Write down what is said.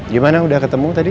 gimana udah ketemu tadi